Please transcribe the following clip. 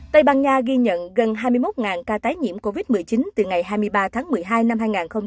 tây ban nha ghi nhận gần hai mươi một ca tái nhiễm covid một mươi chín từ ngày hai mươi ba tháng một mươi hai năm hai nghìn hai mươi